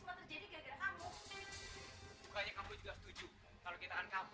semua terjadi gara gara kamu bukannya kamu juga setuju kalau kita akan kamu